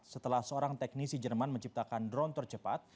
setelah seorang teknisi jerman menciptakan drone tercepat